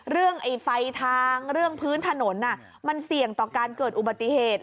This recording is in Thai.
ไอ้ไฟทางเรื่องพื้นถนนมันเสี่ยงต่อการเกิดอุบัติเหตุ